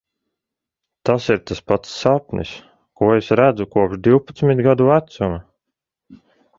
Tas ir tas pats sapnis, ko es redzu kopš divpadsmit gadu vecuma.